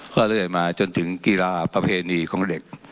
ก็เรื่อยมาจนถึงกีฬาประเพณีของเด็ก